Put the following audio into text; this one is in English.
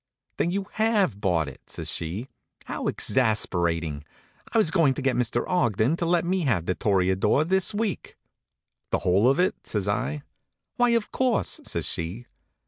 "Then you have bought it?" says she. "How exasperating! I was going to get Mr. Ogden to let me have The Toreador this week." "The whole of it?" says I. "Why, of course," says she.